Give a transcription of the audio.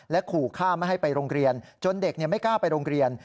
ขู่ฆ่าไม่ให้ไปโรงเรียนจนเด็กไม่กล้าไปโรงเรียน